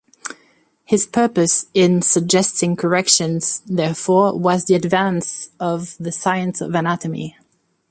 His purpose in suggesting corrections, therefore, was the advance of the science of anatomy.